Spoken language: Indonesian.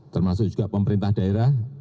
termasuk juga pemerintah daerah